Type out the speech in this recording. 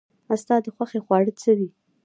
ستا د خوښې خواړه څه دي؟